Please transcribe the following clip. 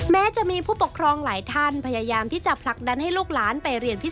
แม้จะมีผู้ปกครองหลายท่านพยายามที่จะผลักดันให้ลูกหลานไปเรียนพิเ